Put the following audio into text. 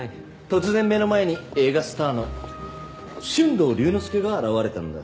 突然目の前に映画スターの俊藤龍之介が現れたんだ。